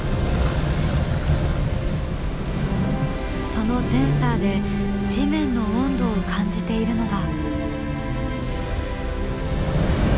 そのセンサーで地面の温度を感じているのだ。